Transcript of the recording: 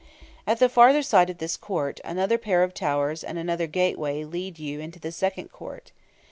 At the farther side of this court, another pair of towers and another gateway lead you into the second court.